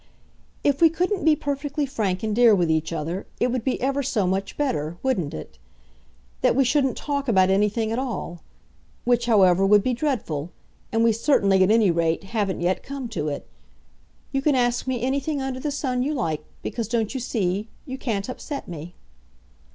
"If we couldn't be perfectly frank and dear with each other, it would be ever so much better, wouldn't it? that we shouldn't talk about anything at all; which, however, would be dreadful and we certainly, at any rate, haven't yet come to it. You can ask me anything under the sun you like, because, don't you see? you can't upset me."